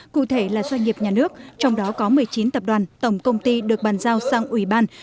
cụ thể là doanh nghiệp nhà nước trong đó có một mươi chín tập đoàn tổng công ty được bàn giao sang ủy ban